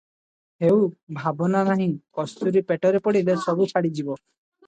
ହେଉ, ଭାବନା ନାହିଁ, କସ୍ତୁରୀ ପେଟରେ ପଡ଼ିଲେ ସବୁ ଛାଡ଼ିଯିବ ।"